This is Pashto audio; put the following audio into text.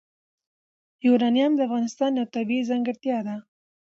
یورانیم د افغانستان یوه طبیعي ځانګړتیا ده.